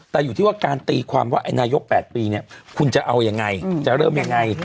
แต่อยู่ที่ว่าการตีความว่าไอ้นายก๘ปีเนี่ยคุณจะเอายังไงจะเริ่มยังไง